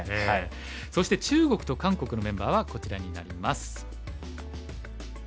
そして中国と韓国のメンバーはこちらになります。